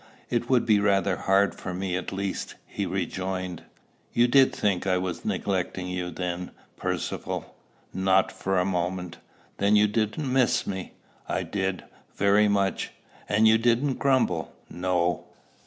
"It would be rather hard for me, at least," he rejoined. "You did think I was neglecting you, then, Percivale?" "Not for a moment." "Then you didn't miss me?" "I did, very much." "And you didn't grumble?" "No."